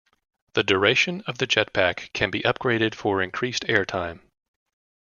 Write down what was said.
The duration of the jetpack can be upgraded for increased air time.